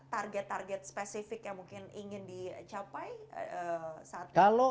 target target spesifik yang mungkin ingin dicapai saat ini